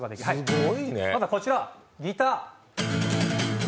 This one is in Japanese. まずはこちらギター。